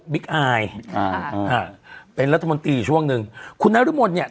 บิ๊กไอค์เป็นรัฐบันตรีช่วงหนึ่งคุณนะริมลเนี้ย